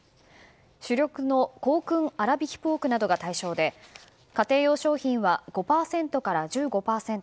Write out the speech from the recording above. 主力の香薫あらびきポークなどが対象で家庭用商品は５％から１５％